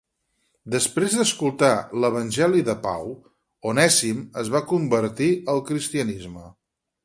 Després d'escoltar l'Evangeli de Pau, Onèsim es va convertir al cristianisme.